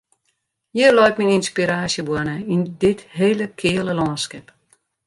Hjir leit myn ynspiraasjeboarne, yn dit hele keale lânskip.